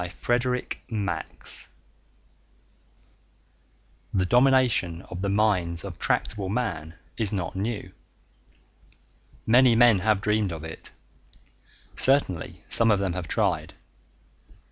pgdp.net _The domination of the minds of tractable Man is not new. Many men have dreamed of it. Certainly some of them have tried.